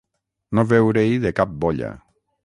No veure-hi de cap bolla.